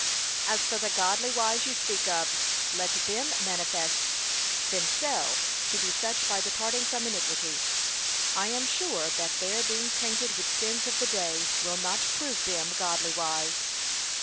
As for the godly wise you speak of, let them manifest themselves to be such by departing from iniquity. I am sure that their being tainted with sins of the day, will not prove them godly wise.